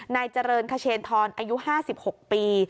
นายเจริญคเชนทรอายุ๕๖ปี